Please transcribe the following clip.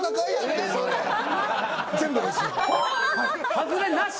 外れなし？